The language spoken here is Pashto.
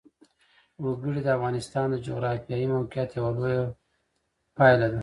وګړي د افغانستان د جغرافیایي موقیعت یوه لویه پایله ده.